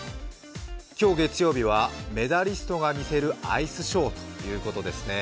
今日、月曜日は「メダリストが魅せるアイスショー」ということです。